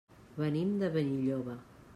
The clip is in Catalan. Venim de Benilloba.